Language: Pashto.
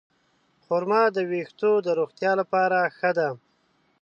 خرما د ویښتو د روغتیا لپاره ښه ده.